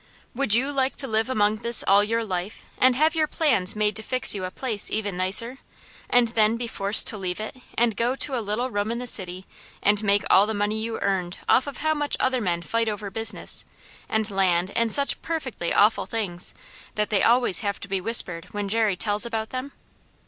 "Would you like to live among this all your life, and have your plans made to fix you a place even nicer, and then be forced to leave it and go to a little room in the city, and make all the money you earned off of how much other men fight over business, and land and such perfectly awful things, that they always have to be whispered when Jerry tells about them?